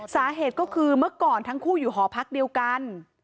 สาเหตุก็คือเมื่อก่อนทั้งคู่อยู่หอพักเดียวกัน